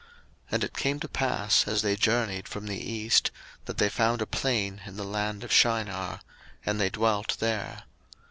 01:011:002 And it came to pass, as they journeyed from the east, that they found a plain in the land of Shinar; and they dwelt there.